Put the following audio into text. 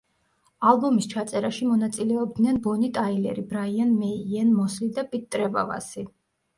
ალბომის ჩაწერაში მონაწილეობდნენ ბონი ტაილერი, ბრაიან მეი, იენ მოსლი და პიტ ტრევავასი.